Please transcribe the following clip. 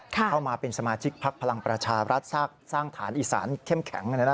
เข้ามาเป็นสมาชิกพักพลังประชารัฐสร้างฐานอีสานเข้มแข็ง